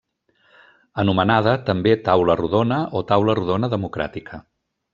Anomenada, també Taula Rodona, o Taula Rodona Democràtica.